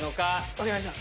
分かりました。